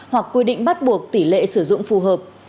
hoặc quy định bắt buộc tỷ lệ sử dụng phù hợp